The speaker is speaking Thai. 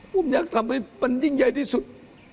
ผมอยากทำให้มันยิ่งใหญ่ที่สุด